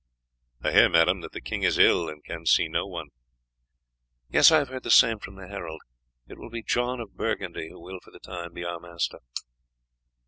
"I hear, madam, that the king is ill, and can see no one." "Yes, I have heard the same from the herald. It will be John of Burgundy who will, for the time, be our master."